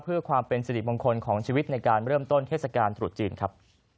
เพื่อความเป็นสิริมงคลของชีวิตในการเริ่มต้นเทศกาลตรุษจีนครับ